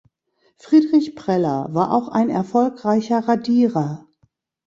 Friedrich Preller war auch ein erfolgreicher Radierer.